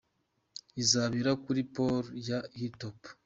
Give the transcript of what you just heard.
Izabera kuri Pool ya Hill Top.